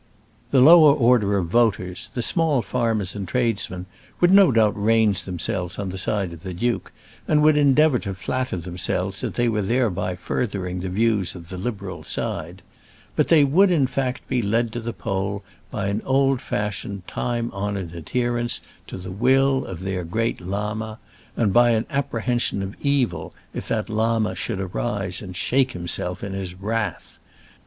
The lower order of voters, the small farmers and tradesmen, would no doubt range themselves on the side of the duke, and would endeavour to flatter themselves that they were thereby furthering the views of the liberal side; but they would in fact be led to the poll by an old fashioned, time honoured adherence to the will of their great Llama; and by an apprehension of evil if that Llama should arise and shake himself in his wrath.